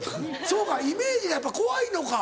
そうかイメージがやっぱ怖いのか。